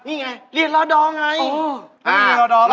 นี่ไงเรียนลอดอลไงอ๋อไม่มีลอดอลล่ะ